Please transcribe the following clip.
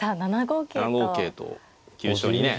７五桂と急所にね。